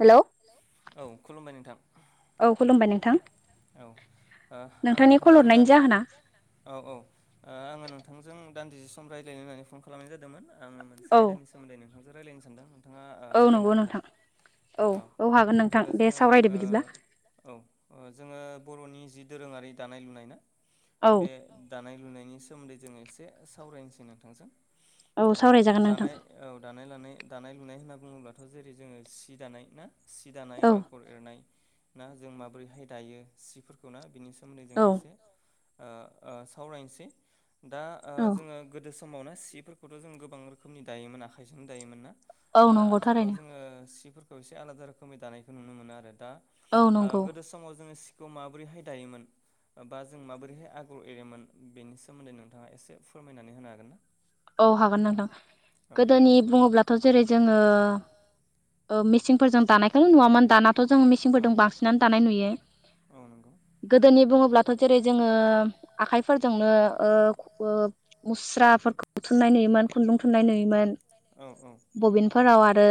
Hello औ खुलुमबाय नोंथां। औ खुलुमबाय नोंथां औ ओ आङो नोंथांनि कल नोंथांजों दा हरनायनि जाहोना? औ औ आङो नोंथांजों। दान्दिसे सम रायज्लायनो होननानै फन खालामनाय जादोंमोन आङो मोनसे औ आयदानि सोमोन्दै नोंथांजों रायज्लायनो सानदों, नोंथाङा औ रायलायनो नंगौ हागोन दा? नोंथां औ हागोन नोंथां बिदिब्ला दे जोङो सावरायदो बिदिब्ला औ जोङो बर'नि जि दोरोङारि दानाय लुनाय ना औ बे दानाय लुनायनि सोमोन्दै जों एसे सरायनोसै नोंथांजों औ सावरायजागोन नोंथां जानाय औ। दानाय लानाय दानाय लुनाय होनना बुङोब्लाथ' जेरै जोङो सि दानाय ना सि दानाय औ आगर एरनाय ना जों माबोरैहाय दायो सिफोरखौ ना बिनि सोमोन्दै जों औ एसे सावरायनोसै दा औ जोङो गोदो समावना सिफोरखौथ' जों गोबां रोखोमनि दायोमोन आखाइजोंनो दायोमोन ना औ नंगौथार सुलाव जोङो सिफोरखौ एसे आलादा रोखोमै दानायखौ नुनो मोनो आरो दा औ नंगौ गोदो समाव जोङो। बेखौ माबोरैहाय दायोमोन। बा जों माबोरैहाय आगर एरोमोन बेनि सोमोन्दै नोंथाङा एसे फोरमायनानै होनो हागोन ना। औ हागोन नोंथां औ गोदोनि बुङोब्लाथ' जेरै जोङो। मेसिंफोरजों दानायखौल' नुवामोन दानाथ' जों मेसिंफोरजों बांसिनानो दानाय नुयो। औ नंगौ गोदोनि बुङोब्लाथ' जेरै जोङो आखाइफोरजोंनो मुस्रा बुथुननाय नुयोमोन खुन्दुं थुननाय नुयोमोन बबिनफोराव आरो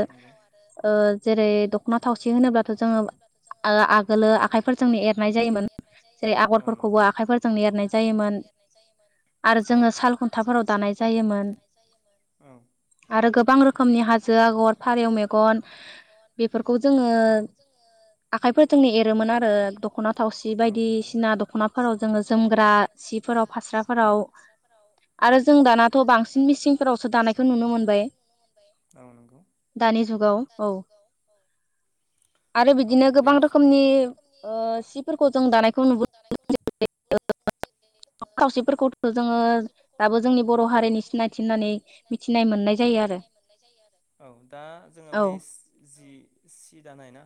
जेरै दख'ना थावसि होनोब्लाथ' जोङो आगोलो आखाइफोरजोंनो एरनाय जायोमोन। जेरै आगरफोरखौबो आखायफोरजों एरनाय जायोमोन। आरो जोङो साल खुन्थाफोराव दानाय जायोमोन। आरो गोबां रोखोमनि हाजो आगर फारौ मेगन। बेफोरखौ जोङो आखाइफोरजोंनो एरोमोन आरो दख'ना थावसि बायदिसिना दख'नाफोराव जोङो जोमग्रा सिफोराव फास्राफोराव आरो जों दाना। आरो जों दानाथ' बांसिन मिसिंफोरावसो दानायखौ नुनो मोनबाय औ नंगौ दानि जुगाव औ दानि जुग [unintelligible] आरो बिदिनो गोबां रोखोमनि सिफोरखौ जों दानायखौ नुबो [unintelligible] [unintelligible] बर' हारिनि सिनायथि होननानै मिथिनाय मोननाय जायो आरो औ दा जोङो औ बे जि सि दानाय ना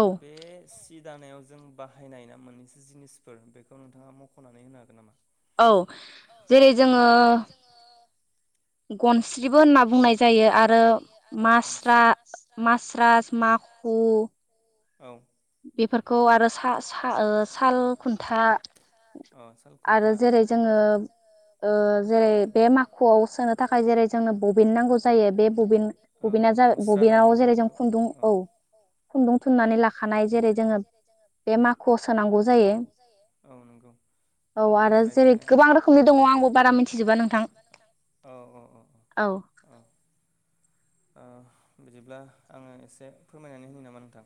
औ बे सि दानायाव जों बाहायनाय ना मोननैसो जिनिसफोर बेखौ नोंथाङा मख'नानै होनो हागोन नामा औ जेरै जोङो गनस्रिबो होनना बुंनाय जायो आरो मास्रा मास्रास माखु बेफोरखौ आरो सा सा साल खुन्था आरो जेरै जोङो जेरै बे माखुआव सोनो थाखाय जेरै जोंनो बबिन नांगौ जायो बे बबिन बबिना बबिनाव जेरै जों खुन्दुं औ खुन्दुं थुननानै लाखानाय जेरै जोङो बे माख'आव सोनांगौ जायो निफ्राय ज गोबां रोखोमनि दङ' आंबो बारा मिथिजोबा नोंथां औ बिदिब्ला आङो एसे फोरमायनानै होनो नामा नोंथां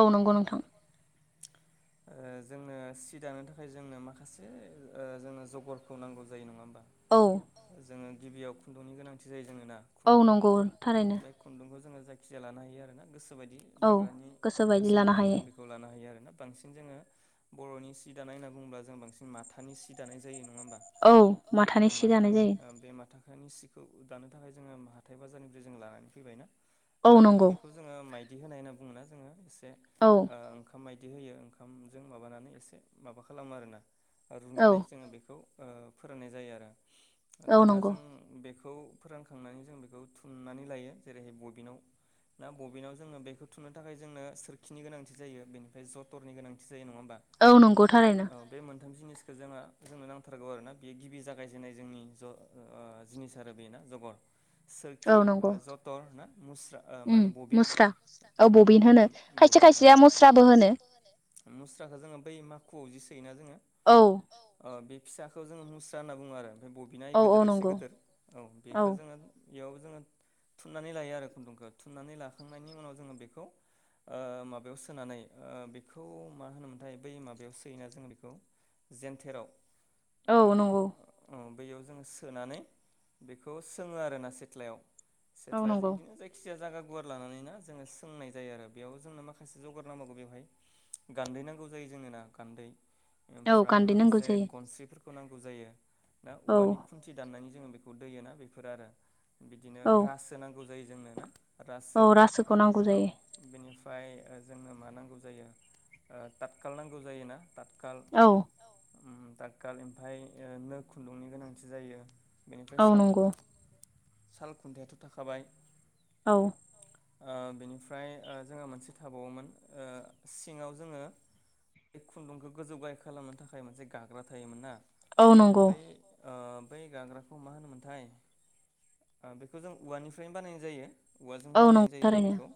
औ नंगौ नोंथां [inaudible] ओ जोंनो सि दानो थाखाय जोंनो माखासे ओ जोंनो जगरखौ नांगौ जायो नङा होमबा? औ जोङो गिबियाव खुन्दुंनि गोनांथि जायो जोङो ना औ खुन्दुं नंगौ थारैनो ओमफ्राय खुन्दुंखौ जोङो जायखिजाया लानो हायो आरो ना गोसोबायदि औ दाग्रानि बायदि गोसो लानो मथे जों हायो बेखौ लानो हायो आरोना बांसिन जोङो बर'नि सि दानाय होनना बुङोब्ला जों बांसिन माथानि सि दानाय जायो नङा होमबा औ माथानि सि दानाय जायो। [unintelligible] हखानि सिखौ दानो थाखाय जोङो हाथाय बाजारनिफ्राय जों लानानै फैबाय ना औ लानानै नंगौ बेखौ जोङो मायदि होनाय होनना बुङो जोङो एसे औ ओ ओंखाम माय दि होयो ओंखामजों माबानानै एसे माबा खालामो आरोना औ रुनानै जोङो बेखौ ओ फोरोंनाय जायो आरो औ दाना नंगौ जों बे खौ फोरानखांनानै जों बेखौ थुननानै लायो जेरै बगिनाव ना बबिनाव जोंङो बेखौ थुनो थाखाय जोंनो सोरखिनि गोनांथि जायो बेनिफ्राय जथरनि गोनांथि जायो नंङा? औ नंगौ थारैनो औ बे मोन थाम जिनिसखौ जोंहा जोंनो नांथारगौ आरोना बेयो गिबि जागायजेननाय जोंनि ज' ओ जिनिस आरो बेना जगर सोरखि औ ओ नंगौ जथर ना? मुस्रा ओ मा उम होनो बबिन मुस्रा औ ओ होनो बबिन खायसे बबिन ओ खायसेया मुस्राबो होनो मुस्राखौ जोंङो बै माखुआव जि सोयोना जोंङो औ ओ बे फिसाखौ जोंङो मुस्रा होनना बुंङो आरो ओमफाय बबिना ओइ औ औ गोदोर एसे नंगौ गोदोर औ बेखो जोंङो बेयाव जोंङो थुनानै लायो आरो खुन्दुंखौ थुननानै लाखांनायनि उनाव जोंङो बेखौ ओ माबायाव सोनानै ओ बेखौ मा होनोमोनथाय बै माबायाव सोयोना जों बेखौ जेनथेराव औ नंगौ। बैयाव जोंङो सोनानै बेखौ सोंङो आरोना सेथ्लायाव औ सेथ्ला जि नंगौ इदिनो जायखिजाया जागा गुवार लानानै ना जोंङो सोंनाय जायो आरो बेयाव जोंनो माखासे जगार नांबावगौ बेवहाय गान्दै नांगौ जायो जोंङो ना गान्दै औ ओमफ्राय गान्दै नांगौ माखासे जायो गनस्रिफोरखौ नांगौ जायो ना औवानि औ खुन्थि दाननायनि खौ दैयो ना बेफोर आरो बिदिनो औ रासो नांगौ जायो जोंनो ना? रासो औ रासोखौ नांगौ जायो औ बेनि फ्राय ओ जोंनो मा नांगौ जायो ओ ताथखाल नांगौ जायोना ताथ खाल औ उम ताथखाल ओफाय ओ नो खुन्दुंनि गोनांथि जायो। बेनिफ्राय औ साल नंगौ साल खुन्थायाथ' थाखाबाय औ ओ बेनिफ्राय ओ जोंहा मोनसे थाबावोमोन ओ सिंङाव जोंङो बे खुन्दुंखौ गोजौ गाय खालामनो थाखाय मोनसे गाग्रा थायोमोन ना? औ नंगौ बे ओ बै गाग्रा खौ मा होनोमोनथाय ओ बेखौ जों औवानिफ्रायनो बानायनाय जायो। औवाजों औ बानायनाय नंगौ जायो जों थारैनो बेखौ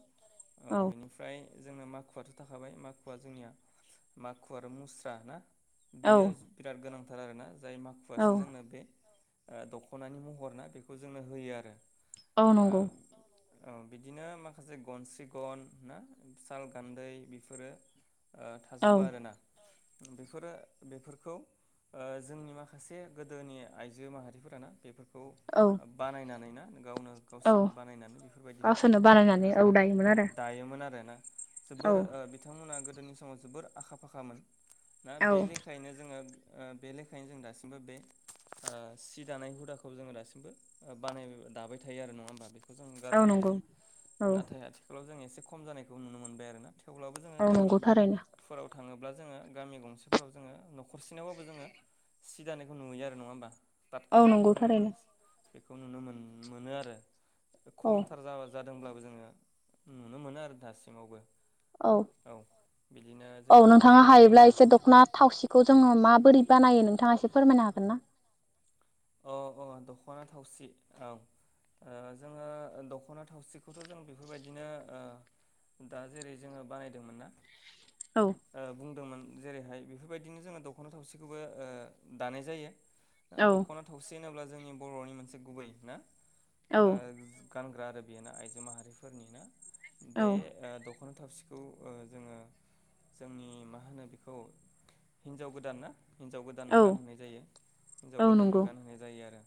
औ बेनिफ्राय जोंना माखुवाथ' थाखाबाय माखुवा जोंनिया माखु आरो मुस्रा ना? औ बेयो बिराद गोनांथार आरोना जाय औ माखुआसो जोंनो बे ओ दख'नानि महर ना बेखौ जोंनो होयो आरो ओ औ नंगौ अ बिदिनो माखासे गनसि गन ना साल गान्दै बेफोरो ओ औ थाजोबो आरोना? बेफोरो बेफोरखौ ओ जोंनि माखासे गोदोनि आइजो माहारि फोराना बेफोरखौ औ बानायनानै ना गावनो औ गावसोरनो बानायनानै बेफोरबायदिनो गावसोरनो बानायनानै दायोमोन ओ औ आरो दायोमोन आरोना औ जोबोर ओ बिथांमोना गो दोनि समाव जोबोर आखा फाखामोन ना औ बे लेखायैनो जोंङो ओ बे लेखायैनो जों दासिमबो बे ओ सि दानाय हुदाखौ जोंङो दासिमबो ओ बानाय दाबाय थायो आरो नंङा होमबा बे खौ जों औ गारनो हाया। नंगौ औ नाथाय आथिखालाव जों एसे खम जानायखौ नुनो मोनबाय आरोना। थेवब्लाबो जोंङो औ नंगौ थारैनो गामिफोराव थांङो ब्ला जोंङो गामि गंसेफोराव जोंङो न'खरसेनावबाबो जोंङो सि दानायखौ नुयो आरो नंङा होमबा? औ तातखालफोरखौ नंगौ जोंङो थारैनो बेखौ नुनो मोन मोनो आरो। औ खमथार जाबा जाद दोंब्लाबो जोंङो नुनो मोनो आरो दासिमावबो औ बिदिनो औ जोंनि माखासे नोंथांङा आइजो हायोब्ला एसे माहारिफोरा दख'ना थावसिखौ जोंङो माबोरै बानायो नोंथांङा एसे फोरमायनो हागोन ना? अ अ दख'ना थावसि औ ओ जोंङो दख'ना थावसिखौथ' जों बेफोरबायदिनो ओ दा जेरै जोंङो बानायदोंमोन ना औ ओ बुंदोंमोन जेरै हाय बेफोरबायदिनो जोंङो दख'ना थावसिखौबो ओ दानाय जायो। ना औ [unintelligible] होनोब्ला जोंनि बर'नि मोनसे गुबै ना ओ गानग्रा आरो बेनो आइजो माहारिफोरनि ना औ बे दख ना थावसिखौ जोङो जोंनि मा होनो बेखौ हिन्जाव गोदान ना हिनजाव गोदाननो औ गानहोनाय जायो। हिनजाव औ गोदाननो नंगौ गानहोनाय जायो आरो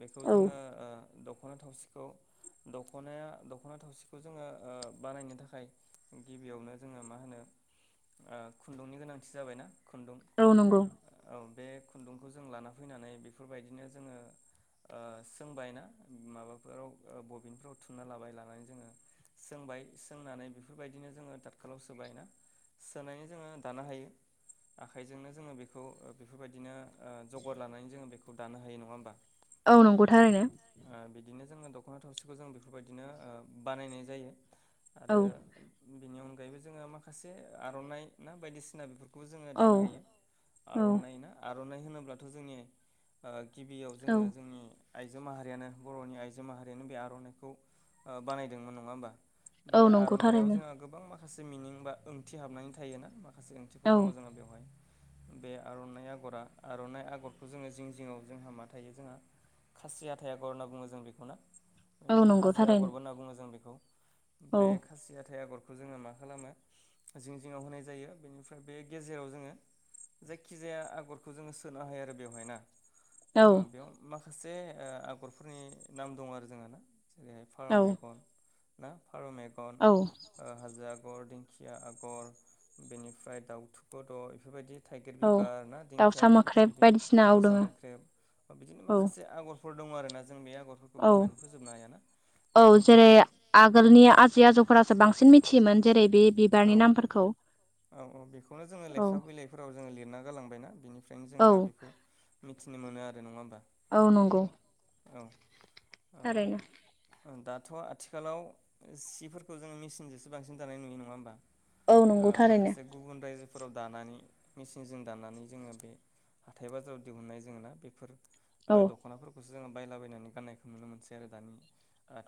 बेखौ औ जोङो ओ दख'ना थावसिखौ दख'नाया दख'ना थावसिखौ जोङो ओ बानायनो थाखाय गिबियावनो जोङो मा होनो आ खुन्दुंनि गोनांथि जाबायना। खुन्दुं, औ नंगौ औ बे खुन्दुंखौ जों लाना फैनानै बेफोरबायदिनो जोङो। आ सोंबायना माबाफोराव बबिनफ्राव थुनना लाबाय लानानै जोङो। सोंबाय, सोंनानै बेफोरबायदिनो जोङो तातखालाव सोबाय ना। सोनानै जोङो दानो हायो। आखाइजोंनो जोङो बेखौ ओ बेफोरबायदिनो ओ जगार लानानै जोङो बेखौ दानो हायो नङा होमबा औ नंगौ थारैनो। ओ बिदिनो जोङो दख'ना थावसिखौ जों बेफोरबायदिनो ओ बानायनाय जायो आरो औ बेनि अनगायैबो जोङो माखासे आर'नाइ ना बायदिसिना बेफोर खौ जोङो औ दानो हायो। औ आर'नाइ ना आर'नाइ होनोब्लाथ' जोंनि ओ गिबियाव औ जोङो जोंनि। आइजो माहारियानो बर'नि आइजो माहारियानो बे आर'नाइखौ बानायदोंमोन नङा होमबा? बे औ नंगौ आर'नाइाव थारैनो जोंहा गोबां माखासे मिनिं बा ओंथि हाबनानै थायो ना मा खासे ओंथिफोर औ दङ जोंना बेवहाय, बे आर'नाइ आगरा आरनाइ आगरखौ जोङो जिं जिङाव जोंहा मा थायो जोंहा खासि हाथाय आगर होनना बुङो जों बेखौ ना? औ बेनिफ्राय नंगौ हाजो थारैनो आगरबो होनना बुङो जों बेखौ। बे औ खासि हाथाय आगरखौ खौ जोङो मा खालामो जिं जिङाव होनाय जायो, बेनिफ्राय बे गेजेराव जोङो। जायखिजाया आगरखौ जोङो सोनो हायो आरो बेवहाय ना। औ ओ बेयाव माखासे ओ आगरफोरनि नाम दङ आरो जोंहा ना जेरैहाय फारौ औ मेगन ना फारौ मेगन औ हाजा आ गर, दिंखिया आगर, बेनिफ्राय दाउथु गद' बेफोरबायदि थाइगिर औ बिबार, ना दिंखिया दाउसा मोख्रेब बिदि बायदिसिना औ दाउसा दोङो मोख्रेब, बिदिनो माखासे औ आग रफोर दङ आरो ना जों बे आगरफोरखौ औ बुंनानै फोजोबनो हायाना औ बेखौ जेरै गोदो, जेरै-आगोलनि आजै आजौमोनासो बांसिन मिथियोमोन, जेरै बे बिबारनि नामफोरखौ। औ औ बेखौनो जोङो औ लेखा बिलाइफोराव जोङो लिरना गालां बायना बेनिफ्रायनो जों औ दा बेखौ मिथिनो मोनो आरो नङा होनबा? औ नंगौ! औ। थारैनो। दाथ' आथिखालाव सिफोरखौ जोङो मेसिनजोंसो बांसिन दानाय नुयो नङा होमबा? औ ओ नंगौ थारैनो माखासे गुबुन रायजो फोराव दानानै मेचनजों दानानै जोङो बे हाथाय बाजाराव दिहुननाय जों ना बेफोर। ओ औ दख'नाफोरखौसो जोङो बायलाबायायनानै गाननायखौ नुनो मोनसै आरो दानि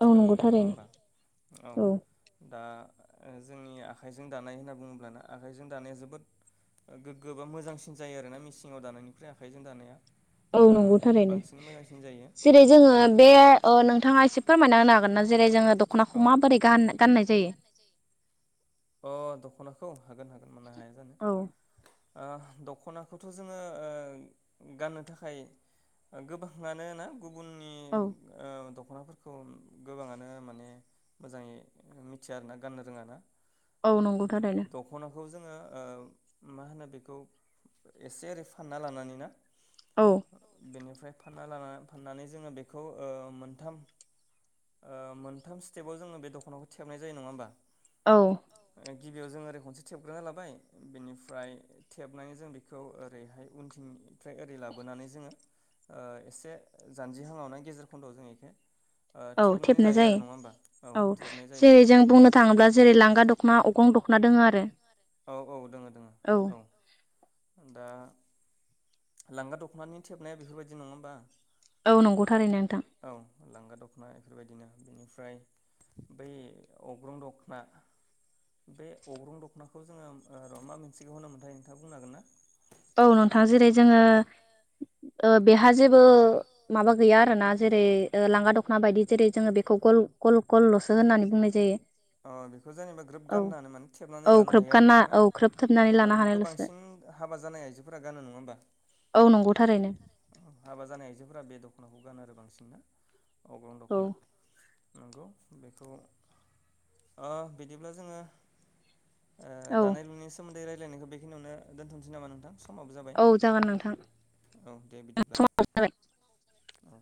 औ नंगौ मुगायाव नङा थारैनो होमबा औ दा ओ जोंनि आखाइजों दानाय होनना बुङोब्लानो आखाइजों दानाया जोबोद गोग्गो बा मोजांसिन जायो आरो ना मेसिंआव दानायनिफ्राय आखाइजों दानाया। औ ओ नंगौ थारैनो। बांसिन मोजांसिन जायो जेरै जोङो बे ओ नोंथाङा एसे फोरमायना होनो हागोन ना जेरै जोङो दख'नाखौ माबोरै गान गान नाय जायो जै अ दख'नाखौ हागोन हागोन। मानो हाया जानो औ ओ दखनाखौथ' जोङो ओ गाननो थाखाय। गोबाङानो ना गुबुननि औ ओ दख दख'नाफोरखौ गोबाङानो माने मोजाङै मिथिया आरोना गाननो रोङाना। औ ओ नंगौ थारैनो दखना बेखौ जोङो मा होनो बेखौ एसे ओरै फानना लानानै ना औ बेनिफ्राय फानना लानानै फाननानै जोङो बेखौ ओ मोनथाम ओ मोनथाम स्टेपाव जोंङो बे दख'नाखौ थेबनाय जायो नङा होमबा? औ गिबियाव जों ओरै खनसे थेबग्रोना लाबाय बेनिफ्राय थेबनानै जों बेखौ ओरैहाय उनथिं ओमफ्राय ओरै लाबोनानै जोङो ओ एसे जानजिहाङाव ना गेजेर खन्द' आव जों इखो औ थेबनो जायो औ थेबनाय जायो जेरै जों बुंनो थाङोब्ला जेरै औ लांगा दख'ना अग्रं दख'ना दोङो आरो औ दोड़ो दोड़ो औ दा लांगा दख'नानि थेबनाया बेफोरबायदि नङा होमबा? औ नंगौ थारैनो नोंथां। औ लांगा दख'ना बेफोरबायदिनो बेनिफ्राय बै अग्रं दख'ना बे अग्रं दख'नाखौ जोङो ओ र' मा मोनसेखौ होनो मोनथाय नोंथाङा बुंनो हागोन ना? औ नोंथाङा जेरै जोङो ओ बेहा जेबो माबा गैया आरो ना जेरै ओ लांगा दख'ना बायदि जेरै जोङो बेखौ गल गल गलल'सो होननानै बुंनाय जायो। अ बेखौ जेनेबा ग्रोब औ गाननानै माने थेबनानै औ लानो हायो आरो ख्रोबगानना औ ख्रोबथोबनानै लानो बेखौ हानायल'सो बांसिन हाबा हाबा जानाय आइजोफोरा गानो नङा होमबा औ नंगौ थारैनो हाबा जानाय आइजोफोरा बे दख'नाखौ गानो आरो बांसिनना अग्रं औ दखना नंगौ। बेखौ ओ बिदिब्ला जोङो ओ औ दानाय लुनायनि सोमोन्दै रायलायखौ बेखिनियावनो दोनथ'सै नामा नोंथां? समाबो जाबाय औ जागोन नोंथां औ दे बिदिब्ला समाबो जाबाय। औ।